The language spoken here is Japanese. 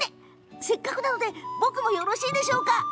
せっかくなので僕もよろしいでしょうか？